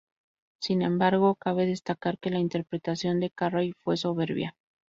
Sin embargo, cabe destacar que la interpretación de Carrey fue soberbia.